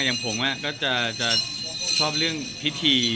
อย่างผมก็จะชอบเรื่องพิธี